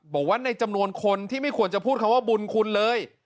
บอกว่าในจำนวนคนที่ไม่ควรจะพูดคำว่าบุญคุณเลย